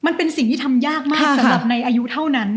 มันเป็นสิ่งที่ทำยากมากสำหรับในอายุเท่านั้น